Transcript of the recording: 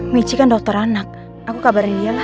michi kan dokter anak aku kabarin dia